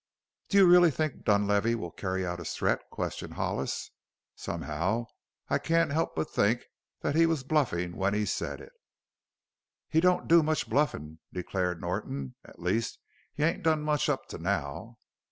"Do you really think Dunlavey will carry out his threat?" questioned Hollis. "Somehow I can't help but think that he was bluffing when he said it." "He don't do much bluffin'," declared Norton. "At least he ain't done much up to now."